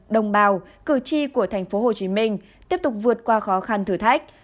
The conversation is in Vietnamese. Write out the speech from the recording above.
đồng bào cử tri của tp hcm tiếp tục vượt qua khó khăn thử thách